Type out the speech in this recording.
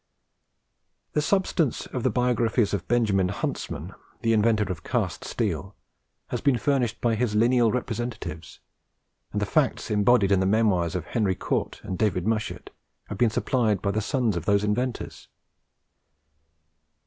The substance of the biography of Benjamin Huntsman, the inventor of cast steel, has been furnished by his lineal representatives; and the facts embodied in the memoirs of Henry Cort and David Mushet have been supplied by the sons of those inventors.